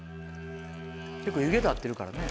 結構湯気立ってるからね。